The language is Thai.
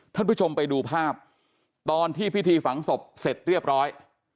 ท่านผู้ชมไปดูภาพตอนที่พิธีฝังศพเสร็จเรียบร้อย